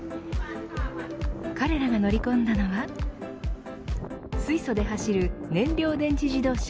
彼らが乗り込んだのは水素で走る燃料電池自動車。